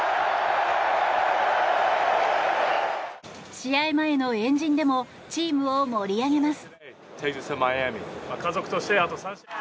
試合前の円陣でもチームを盛り上げます。